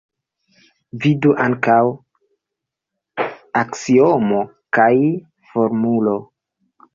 Vidu ankaŭ: Aksiomo Kai Formulo.